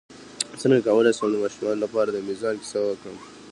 څنګه کولی شم د ماشومانو لپاره د میزان کیسه وکړم